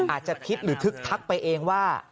อาจจะคิดหรือคึกทักไปเองว่า